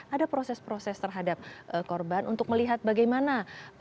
ada proses proses terhadap korban untuk melihat bagaimana